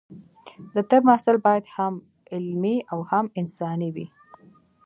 د طب محصل باید هم علمي او هم انساني وي.